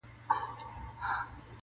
خدایه د شپېتو بړېڅو ټولي سوې کمبلي!!